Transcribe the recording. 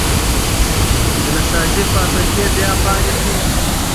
د نساجۍ فابریکې بیا فعالې کړئ.